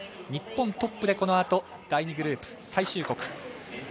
日本トップでこのあと第２グループ最終国。